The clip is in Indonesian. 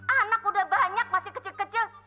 anak udah banyak masih kecil kecil